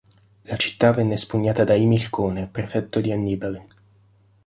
La città venne espugnata da Imilcone, prefetto di Annibale.